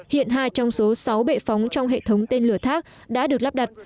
hiện hai trong số sáu bệ phóng trong hệ thống tên lửa thác đã được lắp đặt